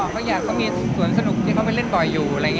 ก็อยากเขามีส่วนสนุกที่เขาไปเล่นบ่อยอยู่